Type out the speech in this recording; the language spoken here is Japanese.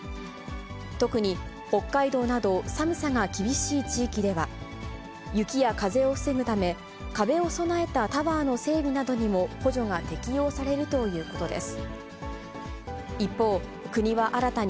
特に、北海道など寒さが厳しい地域では、雪や風を防ぐため、壁を備えたタワーの整備などにも補助が適用されるということです。